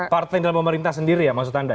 partai dalam pemerintah sendiri ya maksud anda